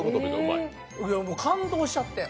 感動しちゃって。